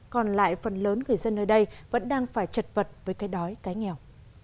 còn lại phần lớn người dân nơi đây vẫn đang phải chật vật với cái đói cái nghèo